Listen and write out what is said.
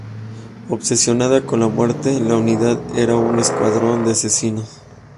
Obsesionada con la muerte, la unidad era un escuadrón de asesinos.